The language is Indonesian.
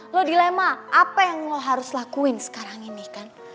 lo dilema apa yang lo harus lakuin sekarang ini kan